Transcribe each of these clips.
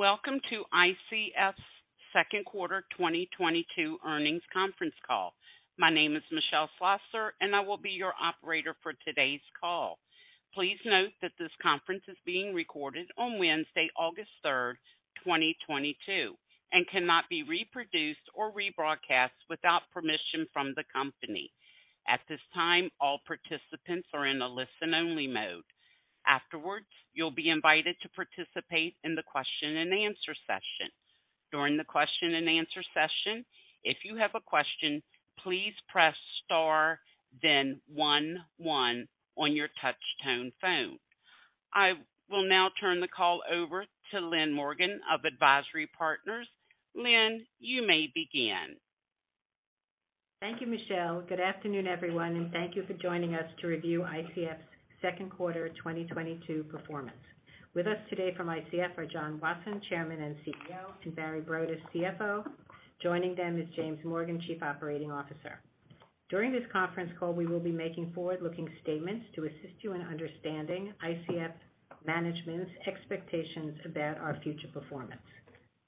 Welcome to ICF's Second Quarter 2022 Earnings Conference Call. My name is Michelle Slosser, and I will be your operator for today's call. Please note that this conference is being recorded on Wednesday, August 3rd, 2022, and cannot be reproduced or rebroadcast without permission from the company. At this time, all participants are in a listen-only mode. Afterwards, you'll be invited to participate in the question and answer session. During the question and answer session, if you have a question, please press star then one one on your touch tone phone. I will now turn the call over to Lynn Morgen of AdvisIRy Partners. Lynn, you may begin. Thank you, Michelle. Good afternoon, everyone, and thank you for joining us to review ICF's Second Quarter 2022 Performance. With us today from ICF are John Wasson, Chairman and CEO, and Barry Broadus, CFO. Joining them is James Morgan, Chief Operating Officer. During this conference call, we will be making forward-looking statements to assist you in understanding ICF management's expectations about our future performance.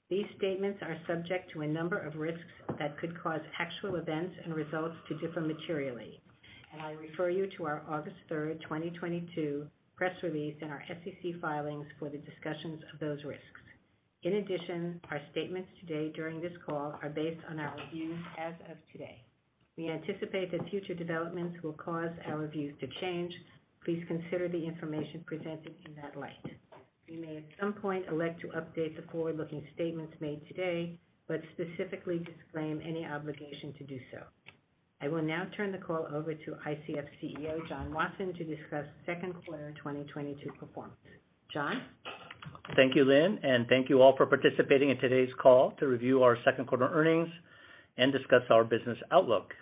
These statements are subject to a number of risks that could cause actual events and results to differ materially, and I refer you to our August 3rd, 2022 press release and our SEC filings for the discussions of those risks. In addition, our statements today during this call are based on our views as of today. We anticipate that future developments will cause our views to change. Please consider the information presented in that light. We may at some point elect to update the forward-looking statements made today, but specifically disclaim any obligation to do so. I will now turn the call over to ICF's CEO, John Wasson, to discuss second quarter 2022 performance. John? Thank you, Lynn, and thank you all for participating in today's call to review our second quarter earnings and discuss our business outlook.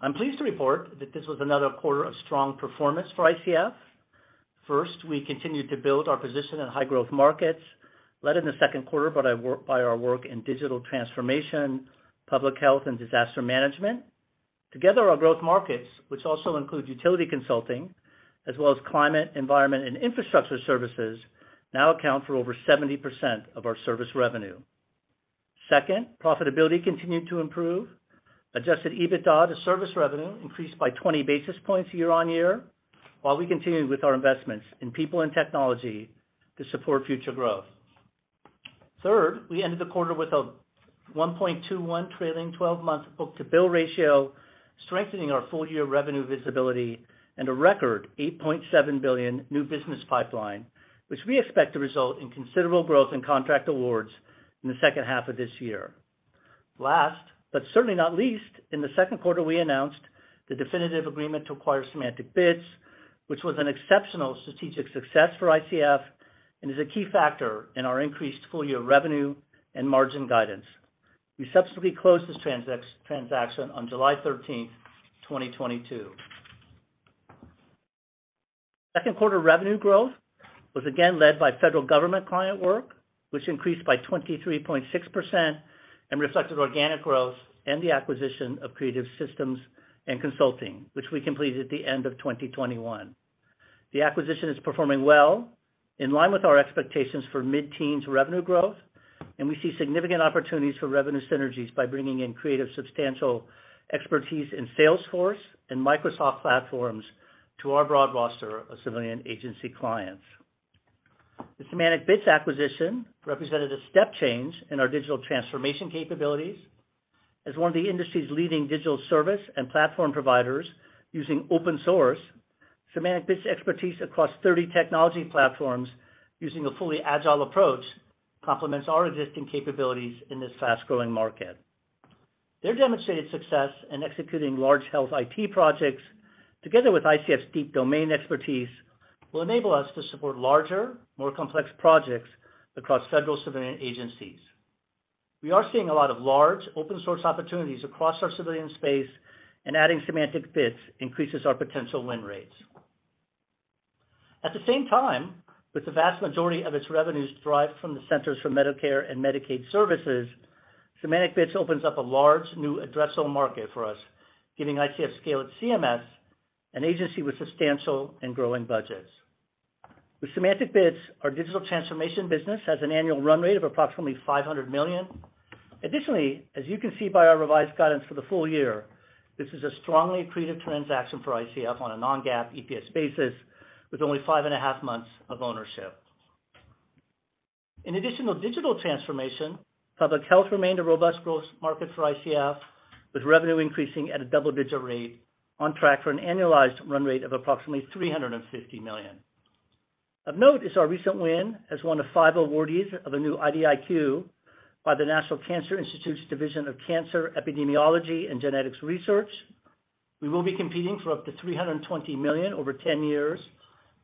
I'm pleased to report that this was another quarter of strong performance for ICF. First, we continued to build our position in high growth markets, led in the second quarter by our work in digital transformation, public health, and disaster management. Together, our growth markets, which also include utility consulting as well as climate, environment, and infrastructure services, now account for over 70% of our service revenue. Second, profitability continued to improve. Adjusted EBITDA to service revenue increased by 20 basis points year-on-year while we continued with our investments in people and technology to support future growth. Third, we ended the quarter with a 1.21 trailing 12-month book-to-bill ratio, strengthening our full-year revenue visibility and a record $8.7 billion new business pipeline, which we expect to result in considerable growth in contract awards in the second half of this year. Last, but certainly not least, in the second quarter, we announced the definitive agreement to acquire SemanticBits, which was an exceptional strategic success for ICF and is a key factor in our increased full-year revenue and margin guidance. We subsequently closed this transaction on July 13th, 2022. Second quarter revenue growth was again led by federal government client work, which increased by 23.6% and reflected organic growth and the acquisition of Creative Systems and Consulting, which we completed at the end of 2021. The acquisition is performing well, in line with our expectations for mid-teens revenue growth, and we see significant opportunities for revenue synergies by bringing in Creative's substantial expertise in Salesforce and Microsoft platforms to our broad roster of civilian agency clients. The SemanticBits acquisition represented a step change in our digital transformation capabilities. As one of the industry's leading digital service and platform providers using open source, SemanticBits' expertise across 30 technology platforms using a fully agile approach complements our existing capabilities in this fast-growing market. Their demonstrated success in executing large health IT projects, together with ICF's deep domain expertise, will enable us to support larger, more complex projects across federal civilian agencies. We are seeing a lot of large open source opportunities across our civilian space, and adding SemanticBits increases our potential win rates. At the same time, with the vast majority of its revenues derived from the Centers for Medicare & Medicaid Services, SemanticBits opens up a large new addressable market for us, giving ICF scale at CMS, an agency with substantial and growing budgets. With SemanticBits, our digital transformation business has an annual run rate of approximately $500 million. Additionally, as you can see by our revised guidance for the full year, this is a strongly accretive transaction for ICF on a non-GAAP EPS basis with only five and 1/2 months of ownership. In addition to digital transformation, public health remained a robust growth market for ICF, with revenue increasing at a double-digit rate on track for an annualized run rate of approximately $350 million. Of note is our recent win as one of five awardees of a new IDIQ by the National Cancer Institute's Division of Cancer Epidemiology and Genetics. We will be competing for up to $320 million over 10 years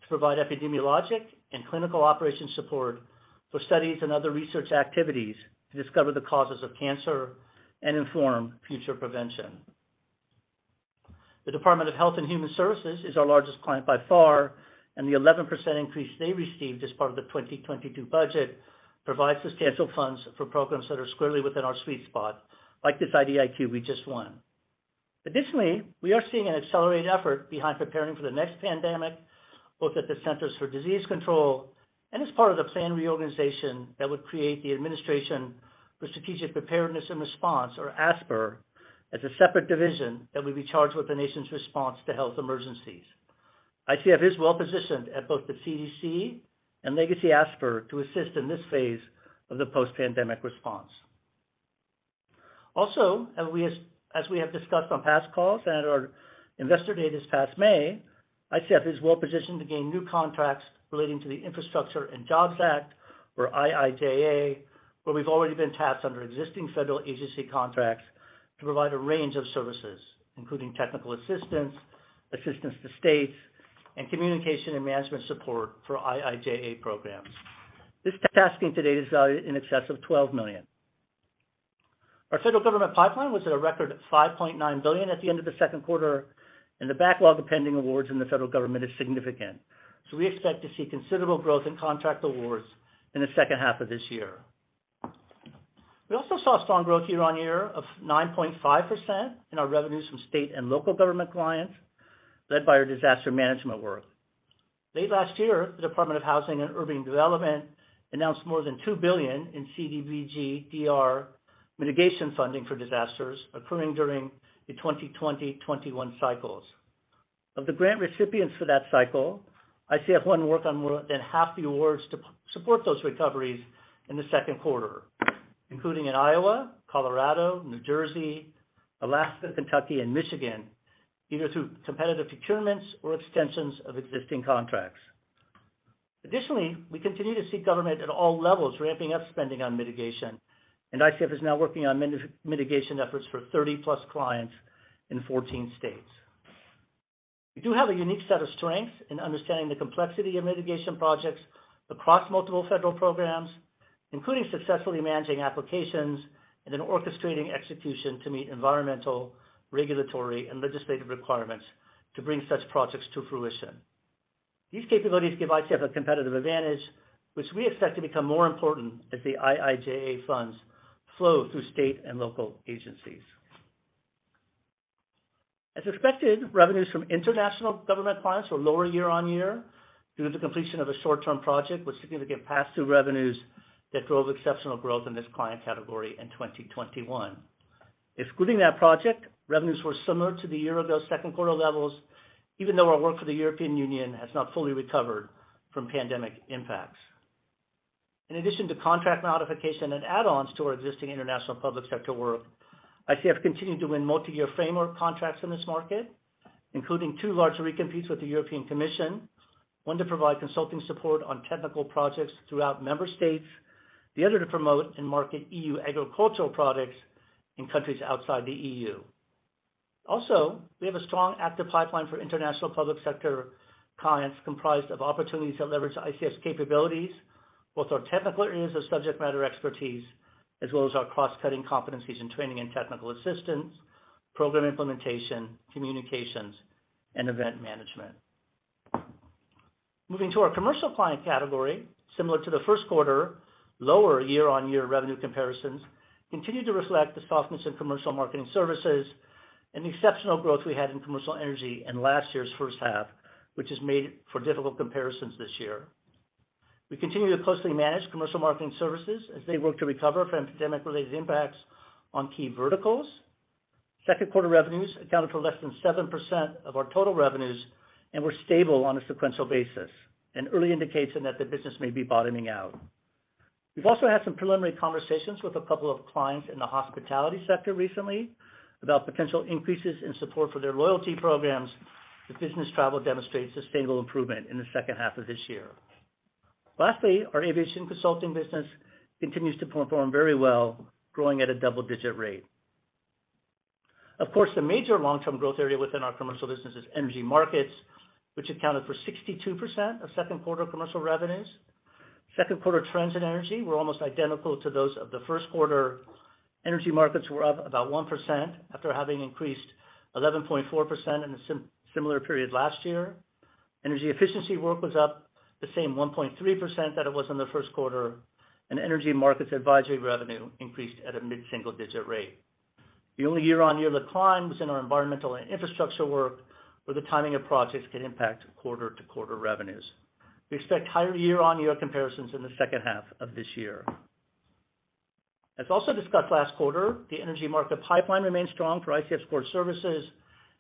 to provide epidemiologic and clinical operations support for studies and other research activities to discover the causes of cancer and inform future prevention. The Department of Health and Human Services is our largest client by far, and the 11% increase they received as part of the 2022 budget provides substantial funds for programs that are squarely within our sweet spot, like this IDIQ we just won. Additionally, we are seeing an accelerated effort behind preparing for the next pandemic, both at the Centers for Disease Control and as part of the planned reorganization that would create the Administration for Strategic Preparedness and Response, or ASPR, as a separate division that will be charged with the nation's response to health emergencies. ICF is well-positioned at both the CDC and legacy ASPR to assist in this phase of the post-pandemic response. Also, as we have discussed on past calls and at our Investor Day this past May, ICF is well-positioned to gain new contracts relating to the Infrastructure and Jobs Act, or IIJA, where we've already been tasked under existing federal agency contracts to provide a range of services, including technical assistance to states, and communication and management support for IIJA programs. This tasking to date is valued in excess of $12 million. Our federal government pipeline was at a record of $5.9 billion at the end of the second quarter, and the backlog of pending awards in the federal government is significant. We expect to see considerable growth in contract awards in the second half of this year. We also saw strong growth year-on-year of 9.5% in our revenues from state and local government clients, led by our disaster management work. Late last year, the Department of Housing and Urban Development announced more than $2 billion in CDBG-DR mitigation funding for disasters occurring during the 2020/2021 cycles. Of the grant recipients for that cycle, ICF won work on more than half the awards to support those recoveries in the second quarter, including in Iowa, Colorado, New Jersey, Alaska, Kentucky, and Michigan, either through competitive procurements or extensions of existing contracts. Additionally, we continue to see government at all levels ramping up spending on mitigation, and ICF is now working on mitigation efforts for 30+ clients in 14 states. We do have a unique set of strengths in understanding the complexity of mitigation projects across multiple federal programs, including successfully managing applications and then orchestrating execution to meet environmental, regulatory, and legislative requirements to bring such projects to fruition. These capabilities give ICF a competitive advantage, which we expect to become more important as the IIJA funds flow through state and local agencies. As expected, revenues from international government clients were lower year-on-year due to the completion of a short-term project with significant pass-through revenues that drove exceptional growth in this client category in 2021. Excluding that project, revenues were similar to the year-ago second quarter levels, even though our work for the European Union has not fully recovered from pandemic impacts. In addition to contract modification and add-ons to our existing international public sector work, ICF continued to win multiyear framework contracts in this market, including two large recompetes with the European Commission, one to provide consulting support on technical projects throughout member states, the other to promote and market EU agricultural products in countries outside the EU. Also, we have a strong active pipeline for international public sector clients comprised of opportunities to leverage ICF's capabilities, both our technical areas of subject matter expertise, as well as our cross-cutting competencies in training and technical assistance, program implementation, communications, and event management. Moving to our commercial client category, similar to the first quarter, lower year-on-year revenue comparisons continue to reflect the softness in commercial marketing services and the exceptional growth we had in commercial energy in last year's first half, which has made for difficult comparisons this year. We continue to closely manage commercial marketing services as they work to recover from pandemic-related impacts on key verticals. Second quarter revenues accounted for less than 7% of our total revenues and were stable on a sequential basis, an early indication that the business may be bottoming out. We've also had some preliminary conversations with a couple of clients in the hospitality sector recently about potential increases in support for their loyalty programs if business travel demonstrates sustainable improvement in the second half of this year. Lastly, our aviation consulting business continues to perform very well, growing at a double-digit rate. Of course, the major long-term growth area within our commercial business is energy markets, which accounted for 62% of second quarter commercial revenues. Second quarter trends in energy were almost identical to those of the first quarter. Energy markets were up about 1% after having increased 11.4% in a similar period last year. Energy efficiency work was up the same 1.3% that it was in the first quarter, and energy markets advisory revenue increased at a mid-single digit rate. The only year-on-year decline was in our environmental and infrastructure work, where the timing of projects can impact quarter-to-quarter revenues. We expect higher year-on-year comparisons in the second half of this year. As also discussed last quarter, the energy market pipeline remains strong for ICF support services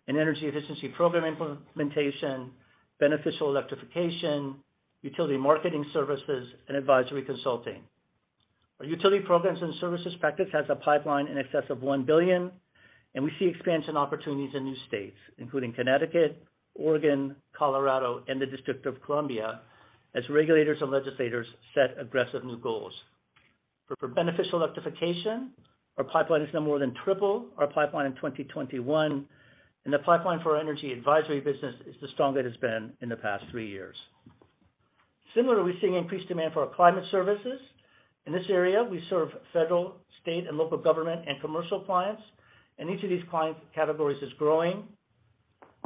and energy efficiency program implementation, beneficial electrification, utility marketing services, and advisory consulting. Our utility programs and services practice has a pipeline in excess of $1 billion, and we see expansion opportunities in new states, including Connecticut, Oregon, Colorado, and the District of Columbia, as regulators and legislators set aggressive new goals. For beneficial electrification, our pipeline is now more than triple our pipeline in 2021, and the pipeline for our energy advisory business is the strongest it has been in the past three years. Similarly, we're seeing increased demand for our climate services. In this area, we serve federal, state, and local government and commercial clients, and each of these client categories is growing.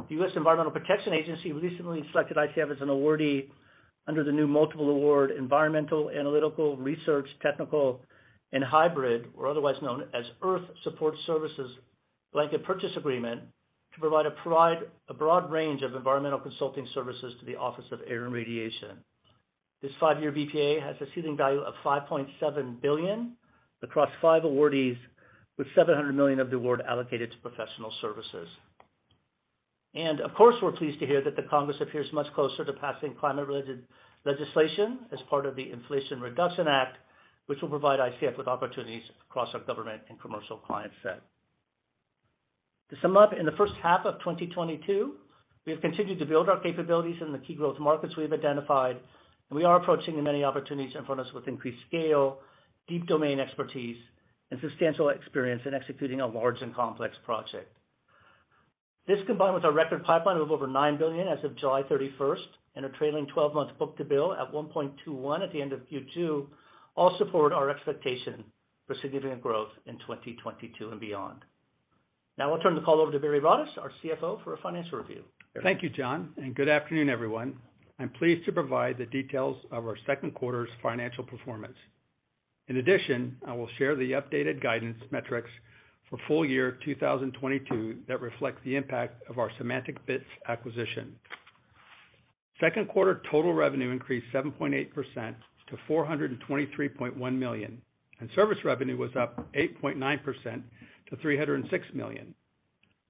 The U.S. Environmental Protection Agency recently selected ICF as an awardee under the new multiple award Environmental Analytical Research Technical and Hybrid, or otherwise known as EARTH Support Services Blanket Purchase Agreement, to provide a broad range of environmental consulting services to the Office of Air and Radiation. This five-year BPA has a ceiling value of $5.7 billion across five awardees, with $700 million of the award allocated to professional services. Of course, we're pleased to hear that the Congress appears much closer to passing climate-related legislation as part of the Inflation Reduction Act, which will provide ICF with opportunities across our government and commercial client set. To sum up, in the first half of 2022, we have continued to build our capabilities in the key growth markets we have identified, and we are approaching the many opportunities in front of us with increased scale, deep domain expertise, and substantial experience in executing a large and complex project. This, combined with our record pipeline of over $9 billion as of July 31st, and a trailing 12-month book-to-bill at 1.21 at the end of Q2, all support our expectation for significant growth in 2022 and beyond. Now I'll turn the call over to Barry Broadus, our CFO, for a financial review. Thank you, John, and good afternoon, everyone. I'm pleased to provide the details of our second quarter's financial performance. In addition, I will share the updated guidance metrics for full year 2022 that reflect the impact of our SemanticBits acquisition. Second quarter total revenue increased 7.8% to $423.1 million, and service revenue was up 8.9% to $306 million.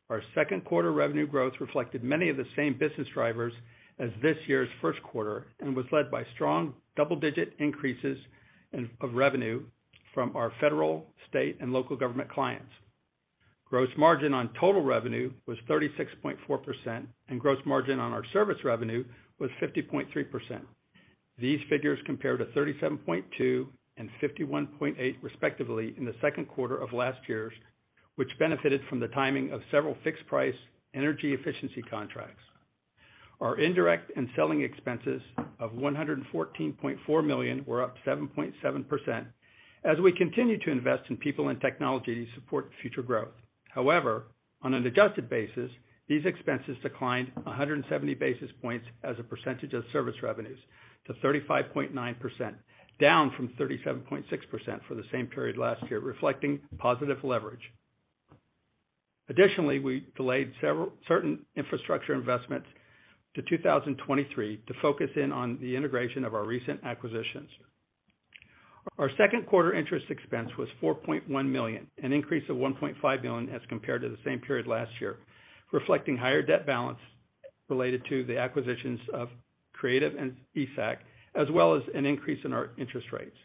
Our second quarter revenue growth reflected many of the same business drivers as this year's first quarter and was led by strong double-digit increases in revenue from our federal, state, and local government clients. Gross margin on total revenue was 36.4%, and gross margin on our service revenue was 50.3%. These figures compare to 37.2% and 51.8% respectively in the second quarter of last year, which benefited from the timing of several fixed-price energy efficiency contracts. Our indirect and selling expenses of $114.4 million were up 7.7% as we continue to invest in people and technology to support future growth. However, on an adjusted basis, these expenses declined 170 basis points as a percentage of service revenues to 35.9%, down from 37.6% for the same period last year, reflecting positive leverage. Additionally, we delayed certain infrastructure investments to 2023 to focus in on the integration of our recent acquisitions. Our second quarter interest expense was $4.1 million, an increase of $1.5 million as compared to the same period last year, reflecting higher debt balance related to the acquisitions of Creative and ESAC, as well as an increase in our interest rates.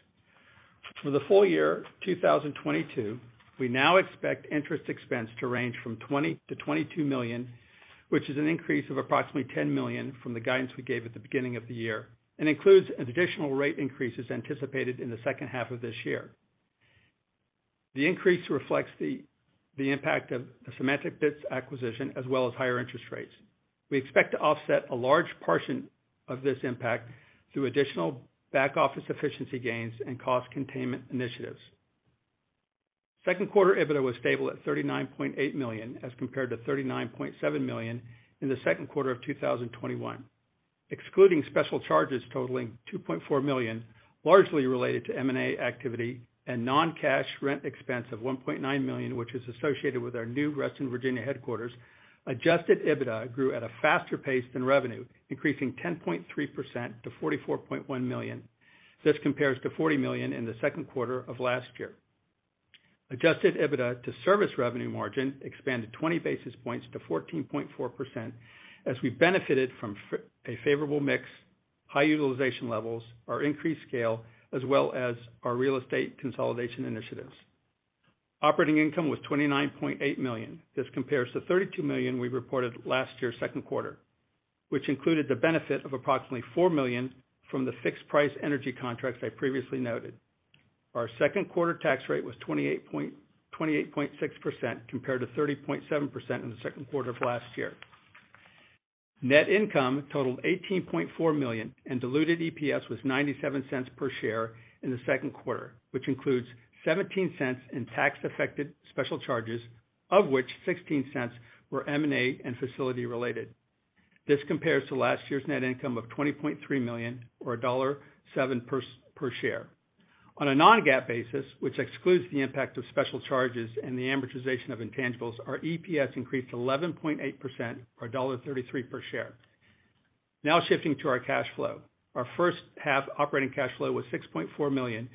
For the full year 2022, we now expect interest expense to range from $20 million-$22 million, which is an increase of approximately $10 million from the guidance we gave at the beginning of the year and includes additional rate increases anticipated in the second half of this year. The increase reflects the impact of the SemanticBits acquisition as well as higher interest rates. We expect to offset a large portion of this impact through additional back-office efficiency gains and cost containment initiatives. Second quarter EBITDA was stable at $39.8 million, as compared to $39.7 million in the second quarter of 2021. Excluding special charges totaling $2.4 million, largely related to M&A activity and non-cash rent expense of $1.9 million, which is associated with our new Reston, Virginia headquarters, adjusted EBITDA grew at a faster pace than revenue, increasing 10.3% to $44.1 million. This compares to $40 million in the second quarter of last year. Adjusted EBITDA to service revenue margin expanded 20 basis points to 14.4% as we benefited from a favorable mix, high utilization levels, our increased scale, as well as our real estate consolidation initiatives. Operating income was $29.8 million. This compares to $32 million we reported last year's second quarter, which included the benefit of approximately $4 million from the fixed-price energy contracts I previously noted. Our second quarter tax rate was 28.6% compared to 30.7% in the second quarter of last year. Net income totaled $18.4 million, and diluted EPS was $0.97 per share in the second quarter, which includes $0.17 in tax-affected special charges, of which $0.16 were M&A and facility-related. This compares to last year's net income of $20.3 million or $1.07 per share. On a non-GAAP basis, which excludes the impact of special charges and the amortization of intangibles, our EPS increased 11.8% or $1.33 per share. Now shifting to our cash flow. Our first half operating cash flow was $6.4 million,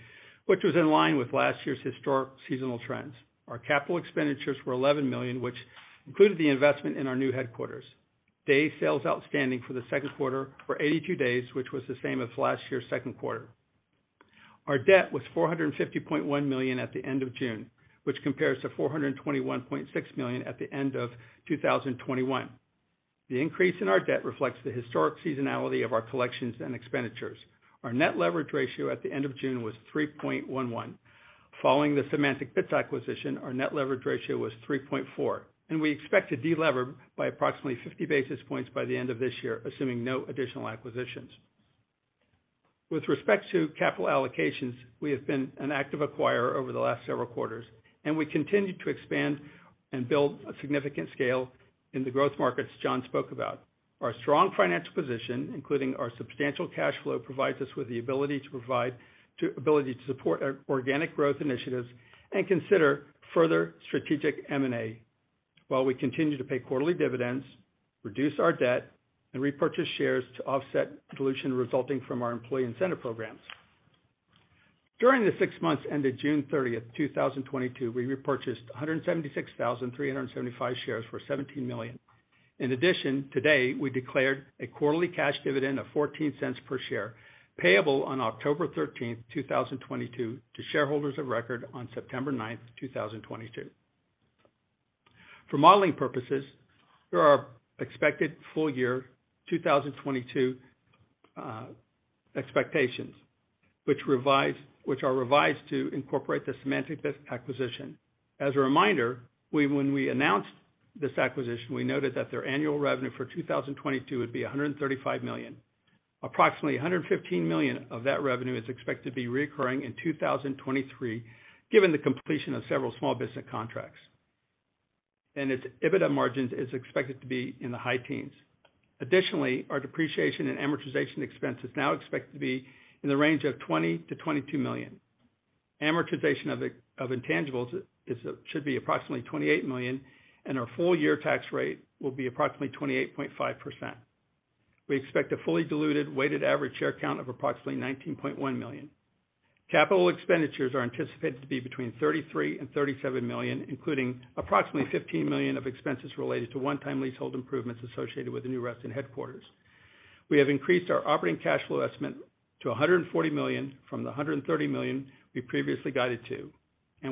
which was in line with last year's historic seasonal trends. Our capital expenditures were $11 million, which included the investment in our new headquarters. Day sales outstanding for the second quarter were 82 days, which was the same as last year's second quarter. Our debt was $450.1 million at the end of June, which compares to $421.6 million at the end of 2021. The increase in our debt reflects the historic seasonality of our collections and expenditures. Our net leverage ratio at the end of June was 3.11. Following the SemanticBits acquisition, our net leverage ratio was 3.4, and we expect to de-lever by approximately 50 basis points by the end of this year, assuming no additional acquisitions. With respect to capital allocations, we have been an active acquirer over the last several quarters, and we continue to expand and build a significant scale in the growth markets John spoke about. Our strong financial position, including our substantial cash flow, provides us with the ability to support our organic growth initiatives and consider further strategic M&A while we continue to pay quarterly dividends, reduce our debt, and repurchase shares to offset dilution resulting from our employee incentive programs. During the six months ended June 30th, 2022, we repurchased 176,375 shares for $17 million. In addition, today, we declared a quarterly cash dividend of $0.14 per share, payable on October 13th, 2022 to shareholders of record on September 9th, 2022. For modeling purposes, here are expected full year 2022 expectations which are revised to incorporate the SemanticBits acquisition. As a reminder, when we announced this acquisition, we noted that their annual revenue for 2022 would be $135 million. Approximately $115 million of that revenue is expected to be recurring in 2023, given the completion of several small business contracts. Its EBITDA margins is expected to be in the high teens. Additionally, our depreciation and amortization expense is now expected to be in the range of $20 million-$22 million. Amortization of the intangibles is should be approximately $28 million, and our full-year tax rate will be approximately 28.5%. We expect a fully diluted weighted average share count of approximately 19.1 million. Capital expenditures are anticipated to be between $33 million and $37 million, including approximately $15 million of expenses related to one-time leasehold improvements associated with the new Reston headquarters. We have increased our operating cash flow estimate to $140 million from the $130 million we previously guided to.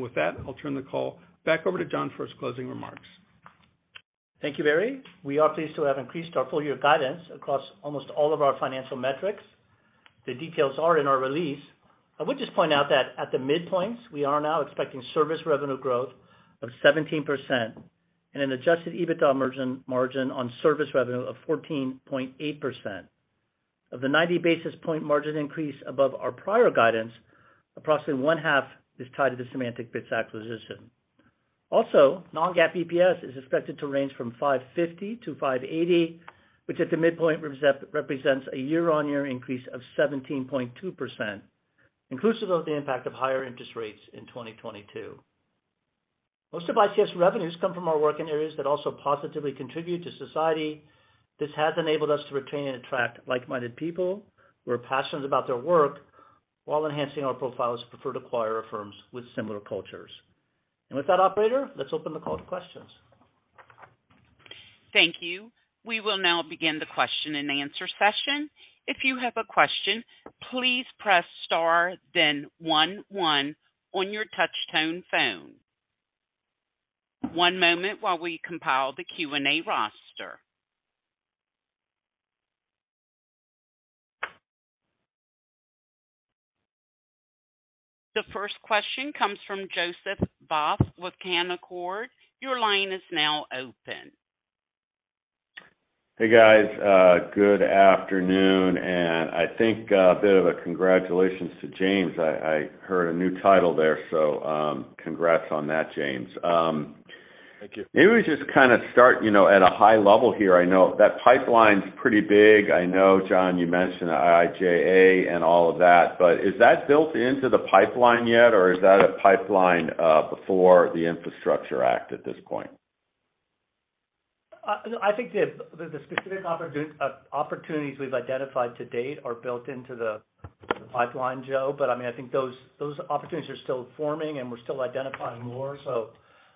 With that, I'll turn the call back over to John for his closing remarks. Thank you, Barry. We are pleased to have increased our full year guidance across almost all of our financial metrics. The details are in our release. I would just point out that at the midpoints, we are now expecting service revenue growth of 17% and an adjusted EBITDA margin on service revenue of 14.8%. Of the 90 basis point margin increase above our prior guidance, approximately one half is tied to the SemanticBits acquisition. Also, non-GAAP EPS is expected to range from $5.50-$5.80, which at the midpoint represents a year-on-year increase of 17.2%, inclusive of the impact of higher interest rates in 2022. Most of ICF's revenues come from our work in areas that also positively contribute to society. This has enabled us to retain and attract like-minded people who are passionate about their work while enhancing our profiles to prefer to acquire firms with similar cultures. With that, operator, let's open the call to questions. Thank you. We will now begin the question and answer session. If you have a question, please press star then one one on your touch tone phone. One moment while we compile the Q&A roster. The first question comes from Joseph Vafi with Canaccord. Your line is now open. Hey, guys. Good afternoon. I think a bit of a congratulations to James. I heard a new title there, so congrats on that, James. Thank you. Maybe we just kinda start, you know, at a high level here. I know that pipeline's pretty big. I know, John, you mentioned IIJA and all of that. Is that built into the pipeline yet, or is that a pipeline before the Infrastructure Act at this point? No, I think the specific opportunities we've identified to date are built into the pipeline, Joe. I mean, I think those opportunities are still forming, and we're still identifying more.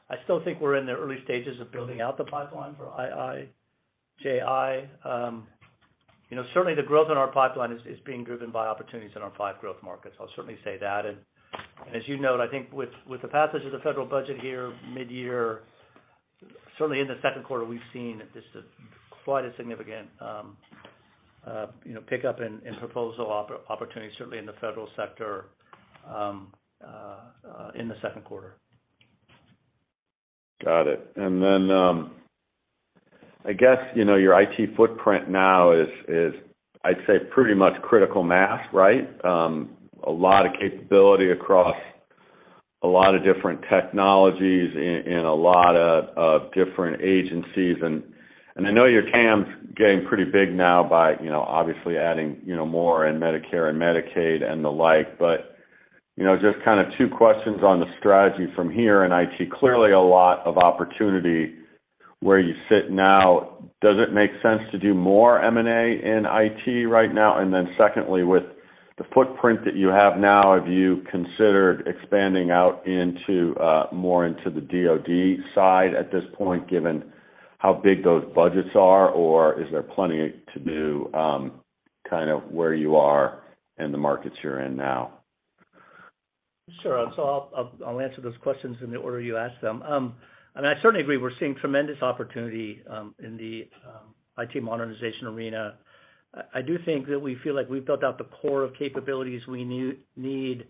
I still think we're in the early stages of building out the pipeline for IIJA. You know, certainly the growth in our pipeline is being driven by opportunities in our five growth markets. I'll certainly say that. As you note, I think with the passage of the federal budget here midyear, certainly in the second quarter, we've seen just a quite significant, you know, pickup in proposal opportunities, certainly in the federal sector, in the second quarter. Got it. Then, I guess, you know, your IT footprint now is, I'd say, pretty much critical mass, right? A lot of capability across a lot of different technologies in a lot of different agencies. I know your TAM's getting pretty big now by, you know, obviously adding, you know, more in Medicare and Medicaid and the like. You know, just kinda two questions on the strategy from here in IT. Clearly a lot of opportunity where you sit now. Does it make sense to do more M&A in IT right now? Then secondly, with the footprint that you have now, have you considered expanding out into more into the DoD side at this point, given how big those budgets are, or is there plenty to do, kind of where you are in the markets you're in now? Sure. I'll answer those questions in the order you asked them. I mean, I certainly agree, we're seeing tremendous opportunity in the IT modernization arena. I do think that we feel like we've built out the core of capabilities we need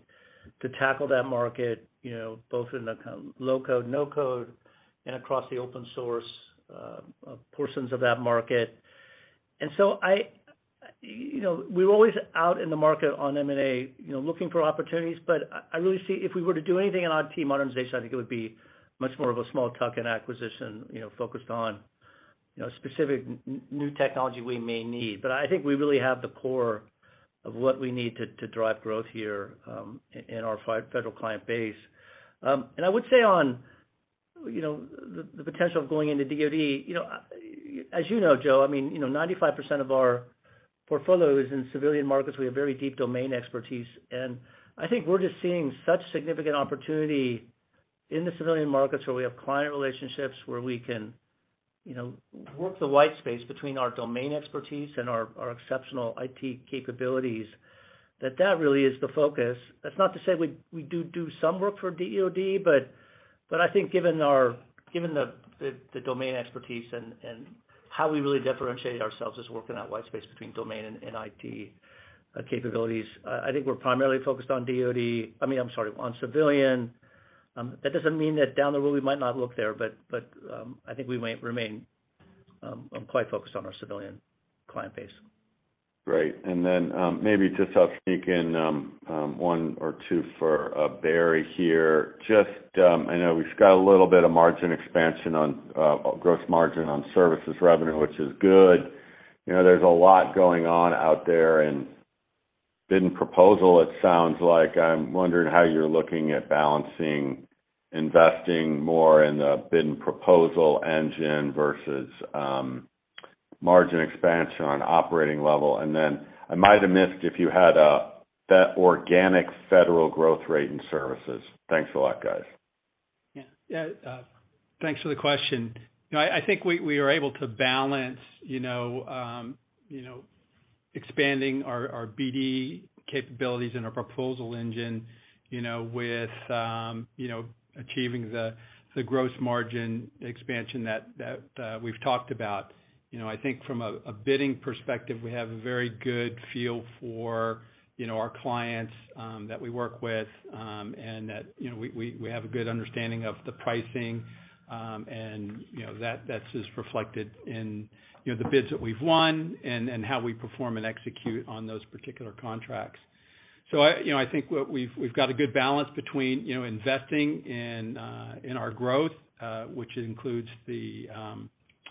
to tackle that market, you know, both in the kind of low code, no code, and across the open source portions of that market. You know, we're always out in the market on M&A, you know, looking for opportunities. I really see if we were to do anything in IT modernization, I think it would be much more of a small tuck-in acquisition, you know, focused on, you know, specific new technology we may need. I think we really have the core of what we need to drive growth here in our federal client base. I would say on the potential of going into DoD, you know, as you know, Joe, I mean, 95% of our portfolio is in civilian markets. We have very deep domain expertise. I think we're just seeing such significant opportunity in the civilian markets where we have client relationships, where we can work the white space between our domain expertise and our exceptional IT capabilities that really is the focus. That's not to say we do some work for DoD, but I think given our domain expertise and how we really differentiate ourselves is working that white space between domain and IT capabilities. I think we're primarily focused on civilian. That doesn't mean that down the road we might not look there, but I think we might remain quite focused on our civilian client base. Great. Maybe just I'll sneak in one or two for Barry here. Just, I know we've got a little bit of margin expansion on gross margin on services revenue, which is good. You know, there's a lot going on out there in bid and proposal, it sounds like. I'm wondering how you're looking at balancing investing more in the bid and proposal engine versus margin expansion on operating level. I might have missed if you had that organic federal growth rate in services. Thanks a lot, guys. Yeah. Yeah. Thanks for the question. You know, I think we are able to balance, you know, expanding our BD capabilities and our proposal engine, you know, with achieving the gross margin expansion that we've talked about. You know, I think from a bidding perspective, we have a very good feel for our clients that we work with, and that we have a good understanding of the pricing, and that that's just reflected in the bids that we've won and how we perform and execute on those particular contracts. I, you know, I think what we've got a good balance between, you know, investing in our growth, which includes the,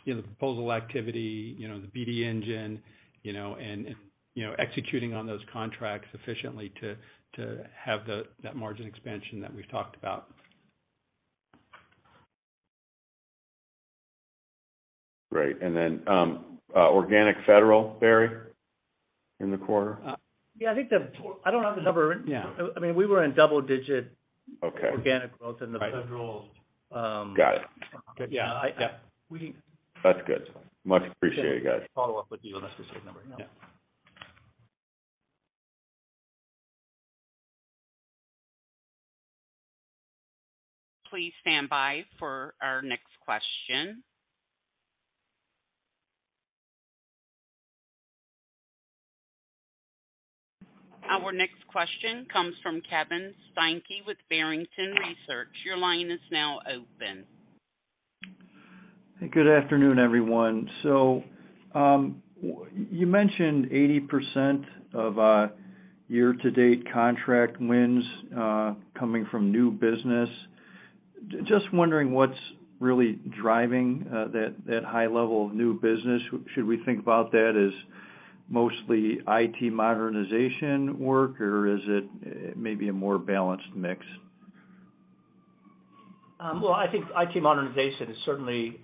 you know, the proposal activity, you know, the BD engine, you know, and, you know, executing on those contracts efficiently to have the, that margin expansion that we've talked about. Great. Organic federal, Barry, in the quarter? Yeah, I think I don't have the number. Yeah. I mean, we were in double digit. Okay. Organic growth in the federal. Got it. Yeah, I That's good. Much appreciated, guys. Follow up with you on the specific number. Yeah. Please stand by for our next question. Our next question comes from Kevin Steinke with Barrington Research. Your line is now open. Good afternoon, everyone. You mentioned 80% of year-to-date contract wins coming from new business. Just wondering what's really driving that high level of new business. Should we think about that as mostly IT modernization work, or is it maybe a more balanced mix? Well, I think IT modernization is certainly,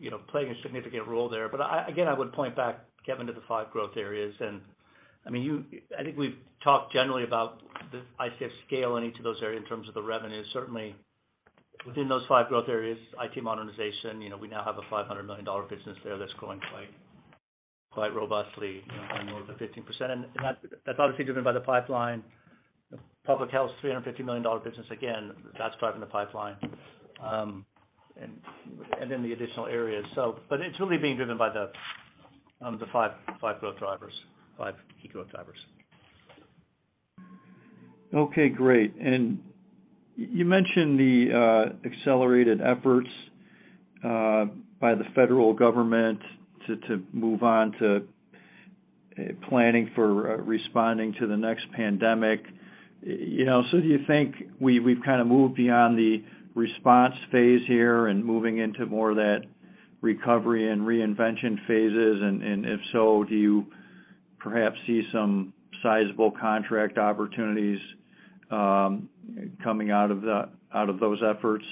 you know, playing a significant role there. I would point back, Kevin, to the five growth areas. I mean, I think we've talked generally about the ICF's scale in each of those areas in terms of the revenue. Certainly within those five growth areas, IT modernization, you know, we now have a $500 million business there that's growing quite robustly, you know, high more than 15%. That's obviously driven by the pipeline. Public health, $350 million business. Again, that's driven by the pipeline. The additional areas. It's really being driven by the five growth drivers, five 5 key growth drivers. Okay, great. You mentioned the accelerated efforts by the federal government to move on to planning for responding to the next pandemic. You know, do you think we've kind of moved beyond the response phase here and moving into more of that recovery and reinvention phases? If so, do you perhaps see some sizable contract opportunities coming out of those efforts?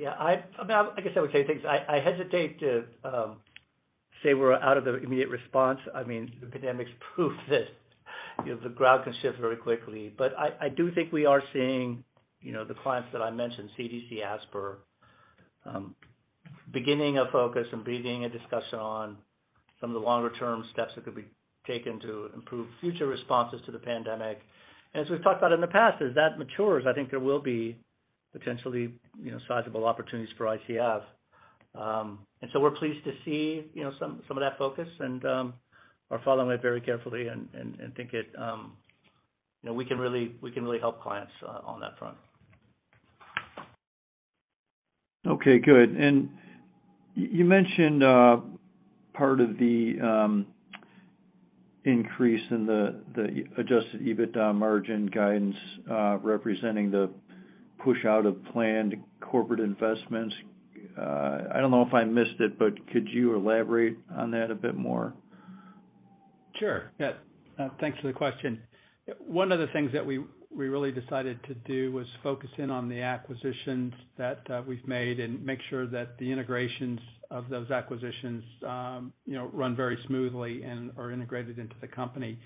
Yeah, I mean, I guess I would say things I hesitate to say we're out of the immediate response. I mean, the pandemic's proof that, you know, the ground can shift very quickly. I do think we are seeing, you know, the clients that I mentioned, CDC, ASPR, beginning a focus and beginning a discussion on some of the longer-term steps that could be taken to improve future responses to the pandemic. As we've talked about in the past, as that matures, I think there will be potentially, you know, sizable opportunities for ICF. We're pleased to see, you know, some of that focus and are following it very carefully and think it, you know, we can really help clients on that front. Okay, good. You mentioned part of the increase in the adjusted EBITDA margin guidance. I don't know if I missed it, but could you elaborate on that a bit more? Sure, yeah. Thanks for the question. One of the things that we really decided to do was focus in on the acquisitions that we've made and make sure that the integrations of those acquisitions, you know, run very smoothly and are integrated into the company. You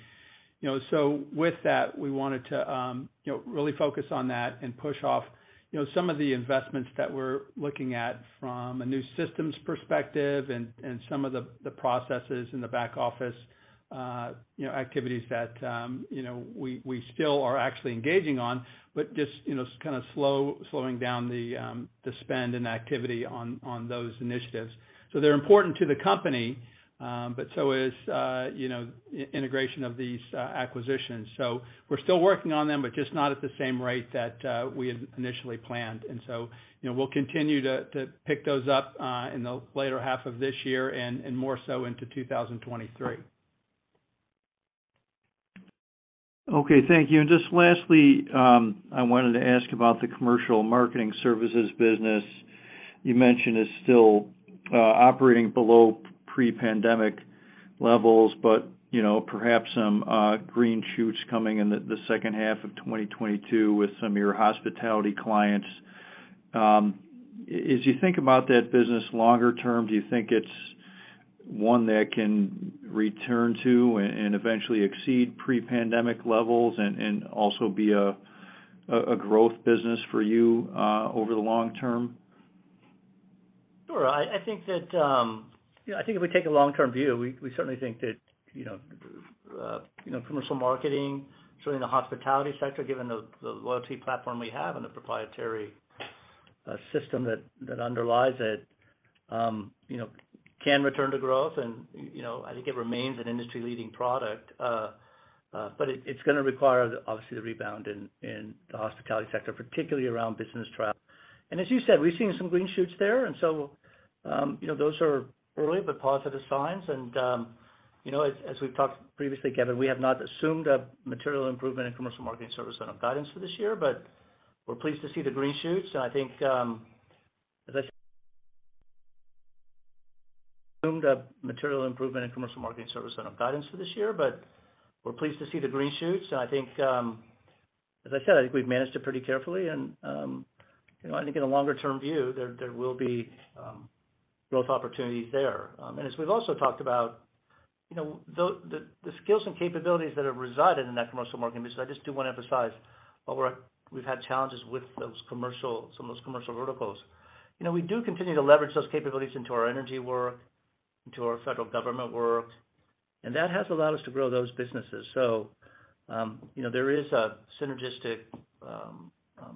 know, with that, we wanted to, you know, really focus on that and push off, you know, some of the investments that we're looking at from a new systems perspective and some of the processes in the back office, you know, activities that, you know, we still are actually engaging on, but just, you know, slowing down the spend and activity on those initiatives. They're important to the company, but so is integration of these acquisitions. We're still working on them, but just not at the same rate that we had initially planned. You know, we'll continue to pick those up in the later half of this year and more so into 2023. Okay, thank you. Just lastly, I wanted to ask about the commercial marketing services business. You mentioned is still operating below pre-pandemic levels, but you know, perhaps some green shoots coming in the second half of 2022 with some of your hospitality clients. As you think about that business longer term, do you think it's one that can return to and eventually exceed pre-pandemic levels and also be a growth business for you over the long term? Sure. I think that, you know, I think if we take a long-term view, we certainly think that, you know, commercial marketing, certainly in the hospitality sector, given the loyalty platform we have and the proprietary system that underlies it, you know, can return to growth. I think it remains an industry-leading product. But it's gonna require obviously the rebound in the hospitality sector, particularly around business travel. As you said, we've seen some green shoots there. Those are early but positive signs. As we've talked previously, Kevin, we have not assumed a material improvement in commercial marketing service on our guidance for this year, but we're pleased to see the green shoots. I think, as I assumed a material improvement in commercial marketing service on our guidance for this year, but we're pleased to see the green shoots. I think, as I said, I think we've managed it pretty carefully and, you know, I think in a longer term view there, will be growth opportunities there. As we've also talked about, you know, the skills and capabilities that have resided in that commercial market, because I just do want to emphasize, while we've had challenges with some of those commercial verticals, you know, we do continue to leverage those capabilities into our energy work, into our federal government work, and that has allowed us to grow those businesses. You know, there is a synergistic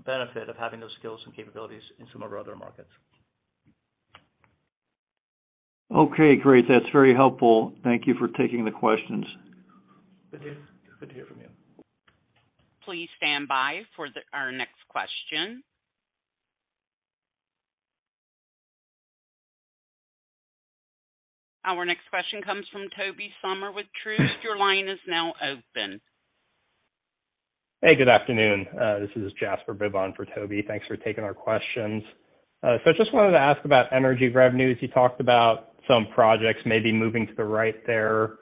benefit of having those skills and capabilities in some of our other markets. Okay, great. That's very helpful. Thank you for taking the questions. Good to hear from you. Please stand by for our next question. Our next question comes from Tobey Sommer with Truist. Your line is now open. Hey, good afternoon. This is Jasper Bibb for Toby. Thanks for taking our questions. I just wanted to ask about energy revenues. You talked about some projects maybe moving to the right there.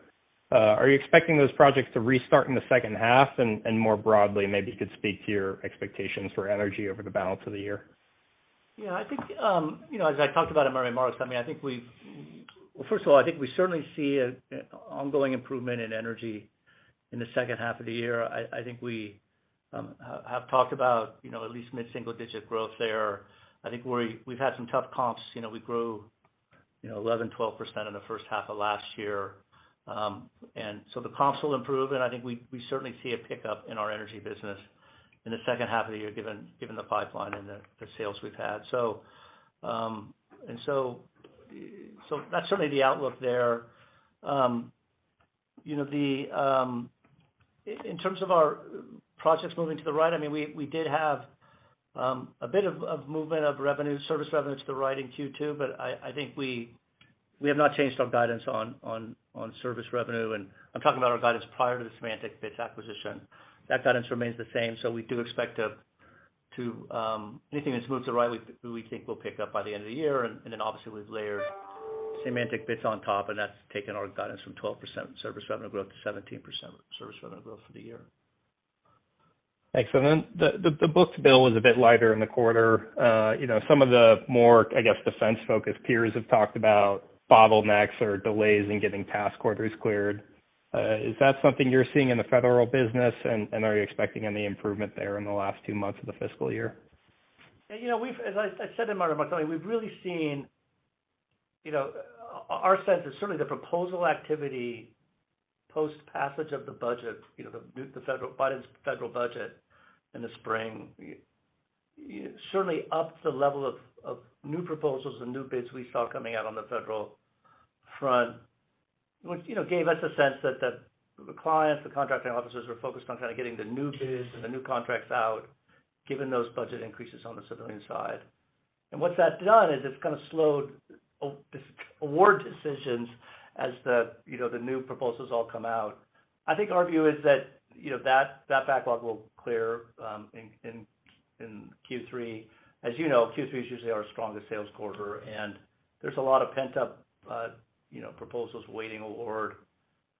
Are you expecting those projects to restart in the second half? More broadly, maybe you could speak to your expectations for energy over the balance of the year. Yeah, I think you know, as I talked about at my remarks, I mean, I think we've. Well, first of all, I think we certainly see an ongoing improvement in energy in the second half of the year. I think we have talked about you know, at least mid-single-digit growth there. I think we've had some tough comps. You know, we grew you know, 11%, 12% in the first half of last year. The comps will improve. I think we certainly see a pickup in our energy business in the second half of the year, given the pipeline and the sales we've had. That's certainly the outlook there. You know, the - In terms of our projects moving to the right, I mean, we did have a bit of movement of revenue, service revenue to the right in Q2, but I think we have not changed our guidance on service revenue. I'm talking about our guidance prior to the SemanticBits acquisition. That guidance remains the same. We do expect that anything that's moved to the right, we think, will pick up by the end of the year. Then obviously we've layered SemanticBits on top, and that's taken our guidance from 12% service revenue growth to 17% service revenue growth for the year. Thanks. The book-to-bill was a bit lighter in the quarter. You know, some of the more, I guess, defense-focused peers have talked about bottlenecks or delays in getting task orders cleared. Is that something you're seeing in the federal business? And are you expecting any improvement there in the last two months of the fiscal year? You know, as I said in my remarks, I mean, we've really seen, you know, our sense is certainly the proposal activity post-passage of the budget, you know, the federal Biden's federal budget in the spring certainly upped the level of new proposals and new bids we saw coming out on the federal front. Which, you know, gave us a sense that the clients, the contracting officers were focused on kind of getting the new biz and the new contracts out, given those budget increases on the civilian side. What's that done is it's kind of slowed award decisions as the new proposals all come out. I think our view is that, you know, that backlog will clear in Q3. As you know, Q3 is usually our strongest sales quarter, and there's a lot of pent-up, you know, proposals waiting award.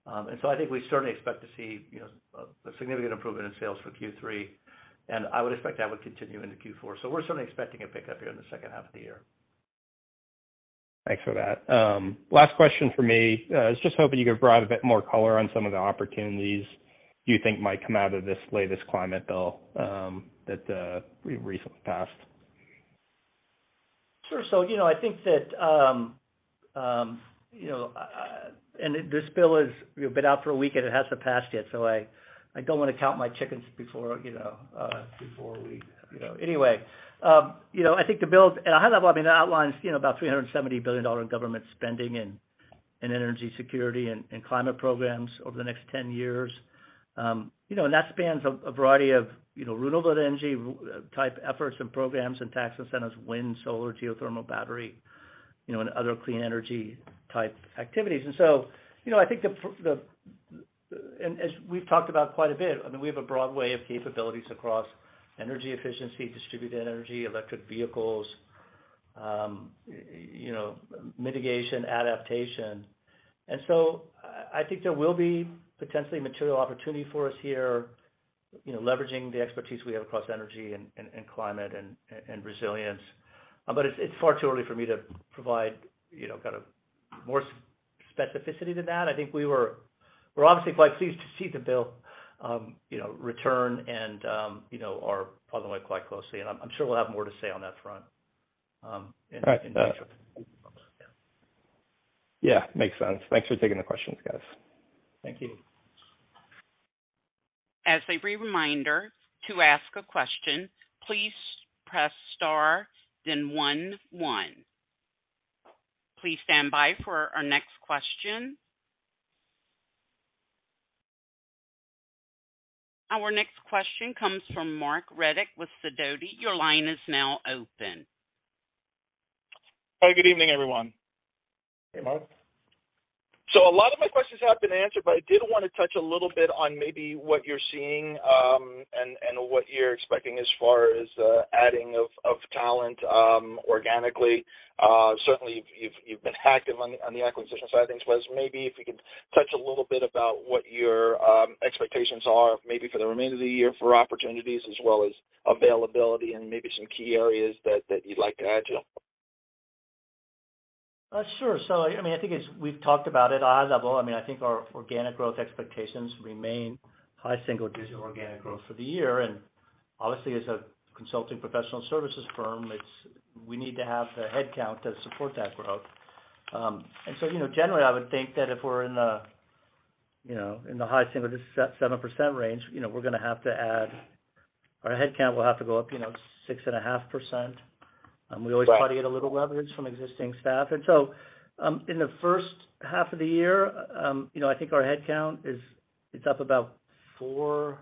I think we certainly expect to see, you know, a significant improvement in sales for Q3, and I would expect that would continue into Q4. We're certainly expecting a pickup here in the second half of the year. Thanks for that. Last question for me. I was just hoping you could provide a bit more color on some of the opportunities you think might come out of this latest climate bill that we recently passed. Sure. You know, I think that this bill has been out for a week, and it hasn't passed yet, so I don't wanna count my chickens before we. Anyway, you know, I think the bill at a high level. I mean, it outlines you know, about $370 billion in government spending in energy security and climate programs over the next 10 years. You know, that spans a variety of you know, renewable energy type efforts and programs and tax incentives, wind, solar, geothermal, battery, you know, and other clean energy type activities. You know, I think the- As we've talked about quite a bit, I mean, we have a broad way of capabilities across energy efficiency, distributed energy, electric vehicles, you know, mitigation, adaptation. I think there will be potentially material opportunity for us here, you know, leveraging the expertise we have across energy and climate and resilience. But it's far too early for me to provide, you know, kind of more specificity to that. I think we're obviously quite pleased to see the bill return and are following quite closely, and I'm sure we'll have more to say on that front in the future. Yeah. Makes sense. Thanks for taking the questions, guys. Thank you. As a reminder, to ask a question, please press star then one one. Please stand by for our next question. Our next question comes from Marc Riddick with Sidoti. Your line is now open. Hi. Good evening, everyone. Hey, Marc. A lot of my questions have been answered, but I did wanna touch a little bit on maybe what you're seeing, and what you're expecting as far as adding of talent organically. Certainly you've been active on the acquisition side of things. But maybe if you could touch a little bit about what your expectations are maybe for the remainder of the year for opportunities as well as availability and maybe some key areas that you'd like to add to. Sure. I mean, I think as we've talked about at a high level, I mean, I think our organic growth expectations remain high single digit organic growth for the year. Obviously, as a consulting professional services firm, we need to have the headcount to support that growth. You know, generally, I would think that if we're in the, you know, in the high single 7% range, you know, we're gonna have to add. Our headcount will have to go up, you know, 6.5%. We always try to get a little leverage from existing staff. In the first half of the year, you know, I think our headcount is, it's up about 4%,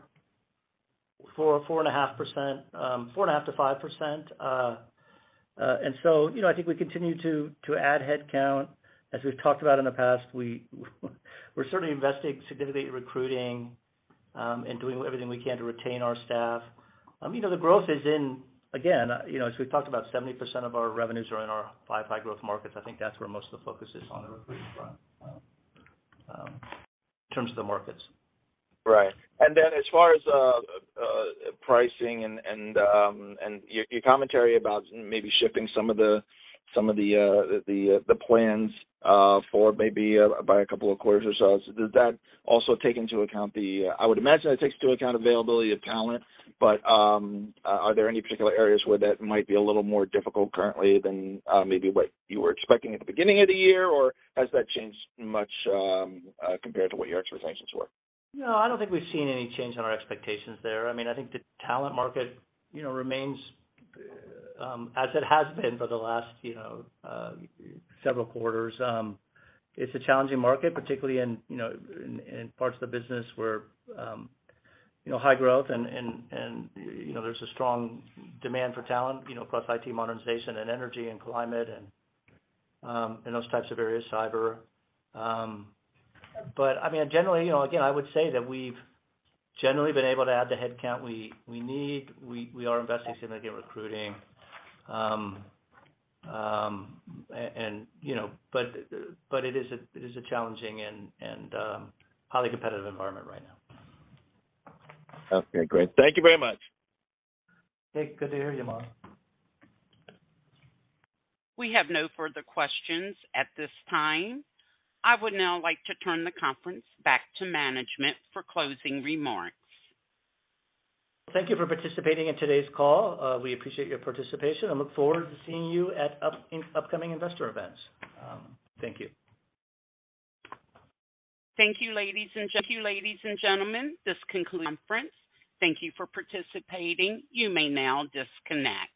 4.5%, 4.5%-5%. You know, I think we continue to add headcount. As we've talked about in the past, we're certainly investing significantly in recruiting, and doing everything we can to retain our staff. You know, the growth is in, again, you know, as we've talked about, 70% of our revenues are in our five high growth markets. I think that's where most of the focus is on the recruitment front, in terms of the markets. Right. As far as pricing and your commentary about maybe shifting some of the plans for maybe by a couple of quarters or so, does that also take into account? I would imagine it takes into account availability of talent, but are there any particular areas where that might be a little more difficult currently than maybe what you were expecting at the beginning of the year? Has that changed much compared to what your expectations were? No, I don't think we've seen any change in our expectations there. I mean, I think the talent market, you know, remains as it has been for the last, you know, several quarters. It's a challenging market, particularly in, you know, in parts of the business where, you know, high growth and there's a strong demand for talent, you know, plus IT modernization and energy and climate and those types of areas, cyber. But I mean, generally, you know, again, I would say that we've generally been able to add the headcount we need. We are investing significantly in recruiting. You know, but it is a challenging and highly competitive environment right now. Okay, great. Thank you very much. Hey, good to hear you, Marc. We have no further questions at this time. I would now like to turn the conference back to management for closing remarks. Thank you for participating in today's call. We appreciate your participation and look forward to seeing you in upcoming investor events. Thank you. Thank you, ladies and gentlemen. This concludes the conference. Thank you for participating. You may now disconnect.